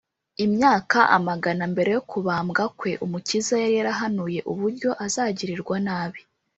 imyaka amagana mbere yo kubambwa kwe, umukiza yari yarahanuye uburyo azagirirwa nabi